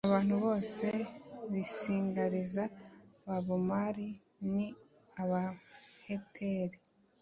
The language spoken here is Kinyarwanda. abantu bose binsigarizi babamori n abaheti